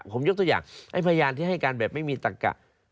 ผมยกตัวอย่างไอ้พยานที่ให้การแบบไม่มีตักกะ